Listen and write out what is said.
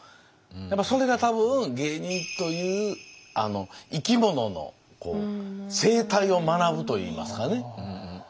やっぱそれが多分芸人という生き物の生態を学ぶといいますかね。